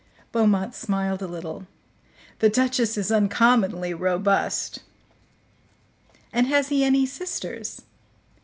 Beaumont smiled a little. "The duchess is uncommonly robust." "And has he any sisters?"